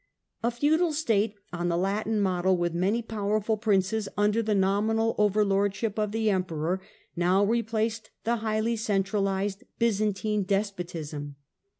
A feudal state on the Latin model, with many powerful The Latin princes under the nominal overlordship of the Emperor, fh^J slst"^ now replaced the highly centralized Byzantine despotism.